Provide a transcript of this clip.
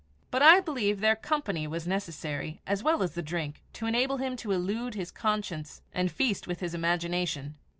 But I believe their company was necessary as well as the drink to enable him to elude his conscience and feast with his imagination.